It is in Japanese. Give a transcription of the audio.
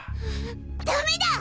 ダメだ！